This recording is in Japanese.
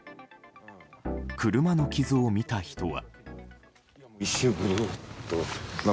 車の傷を見た人は。